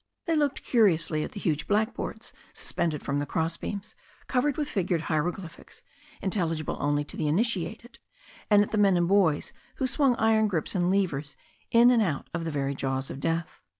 They looked curiously at the huge blackboards suspended from the cross beams, covered with figured hieroglyphics, intelligible only to the initiated, and at the men and boys who swung iron grips and levers in and out of the very jaws of death.